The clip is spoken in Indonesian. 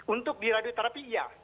untuk di radioterapi iya